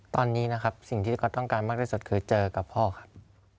ตอนนี้นะครับสิ่งที่ก๊อตต้องการมากที่สุดคือเจอกับพ่อครับ